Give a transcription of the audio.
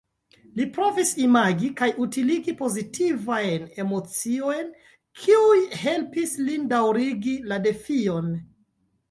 Li provis imagi kaj utiligi pozitivajn emociojn, kiuj helpis lin daŭrigi la defion.